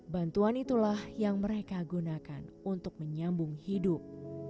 bantuan itulah yang mereka gunakan untuk menyambung hidup